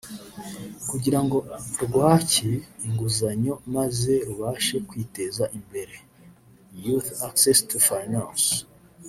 kugira ngo rwake inguzanyo maze rubashe kwiteza imbere (Youth Access to Finance)